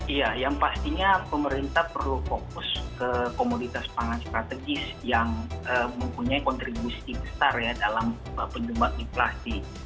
iya yang pastinya pemerintah perlu fokus ke komoditas pangan strategis yang mempunyai kontribusi besar ya dalam penyumbang inflasi